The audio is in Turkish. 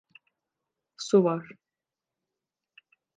Su var.